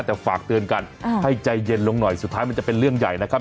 แต่ฝากเตือนกันให้ใจเย็นลงหน่อยสุดท้ายมันจะเป็นเรื่องใหญ่นะครับ